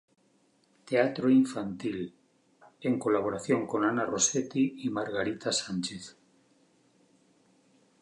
Teatro infantil, en colaboración con Ana Rossetti y Margarita Sánchez.